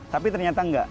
tapi ternyata enggak